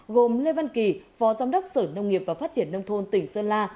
gồm lê văn kỳ phó giám đốc sở nông nghiệp và phát triển nông thôn tỉnh sơn la